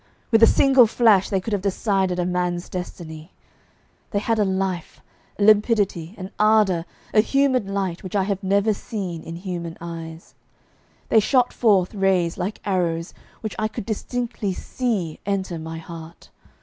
With a single flash they could have decided a man's destiny. They had a life, a limpidity, an ardour, a humid light which I have never seen in human eyes; they shot forth rays like arrows, which I could distinctly see enter my heart.